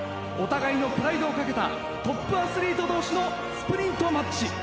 お互いのプライドを懸けたトップアスリート同士のスプリントマッチ。